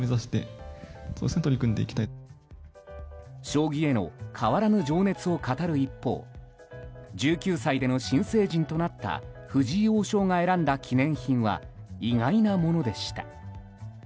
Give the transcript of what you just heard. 将棋への変わらぬ情熱を語る一方１９歳での新成人となった藤井王将が選んだ記念品は意外なものでした。